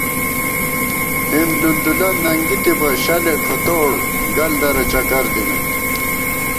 ہِم دُندُولہ ننگِتِبہ شلے کھوتوڑ گل درہ چکر دِمېت